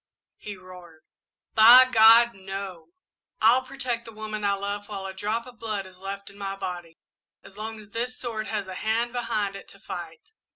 he roared, "by God, no! I'll protect the woman I love while a drop of blood is left in my body as long as this sword has a hand behind it to fight.